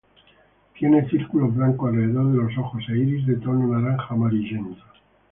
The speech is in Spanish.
Tiene círculos blancos alrededor de los ojos e iris de tono naranja amarillento.